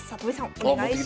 お願いします。